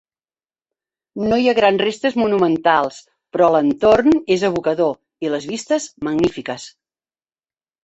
No hi ha grans restes monumentals, però l'entorn és evocador i les vistes magnífiques.